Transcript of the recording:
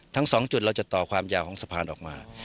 ทั้ง๒จุดเราจะต่อความยาวของสะพานออกมา